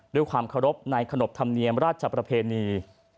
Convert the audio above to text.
ด้วยความเคารพในขนบธรรมเนียมราชประเพณี